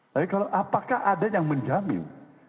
tapi kalau apakah ada yang menjamin